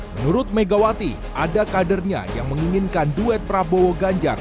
menurut megawati ada kadernya yang menginginkan duet prabowo ganjar